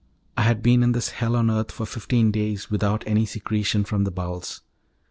I had been in this hell on earth for fifteen days without any secretion from the bowels.